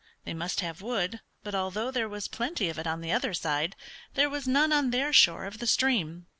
They must have wood, but although there was plenty of it on the other side, there was none on their shore of the stream.